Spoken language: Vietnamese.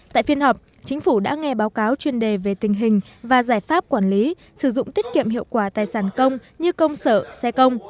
tại phiên họp chính phủ đã nghe báo cáo chuyên đề về tình hình và giải pháp quản lý sử dụng tiết kiệm hiệu quả tài sản công như công sở xe công